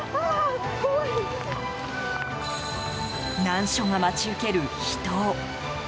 難所が待ち受ける秘湯。